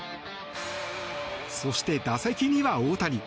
そして、打席には大谷。